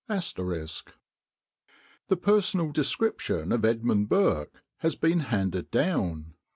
*] "The personal description of Edmund Burke has been handed down.